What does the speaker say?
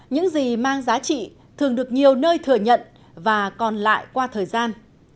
những gì mang giá trị thường được nhiều nơi thừa nhận và còn lại qua thời gian